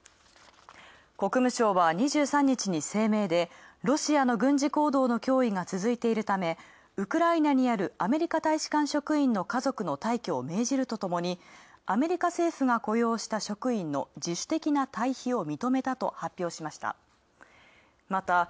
国務省は２３日に声明でロシアの軍事行為の脅威が続いているためウクライナにあるアメリカ大使館職員の家族の退去を命じるとともに、アメリカ政府が雇用した職員の自主的な退避を認めたと発表しました。